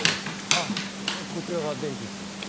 あっこちらが電気室ですか？